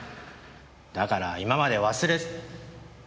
だから今まで忘れて。